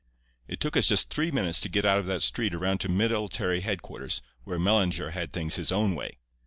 "It took us just three minutes to get out of that street around to military headquarters, where Mellinger had things his own way.